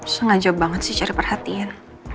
sengaja banget sih cari perhatian